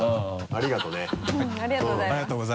ありがとうございます。